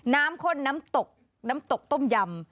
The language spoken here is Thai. ข้นน้ำตกน้ำตกต้มยำ